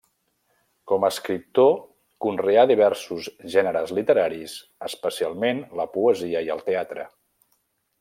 Com escriptor conreà diversos gèneres literaris, especialment la poesia i el teatre.